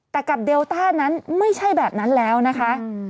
แต่กับเดลต้านั้นไม่ใช่แบบนั้นแล้วนะคะ